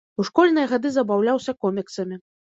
У школьныя гады забаўляўся коміксамі.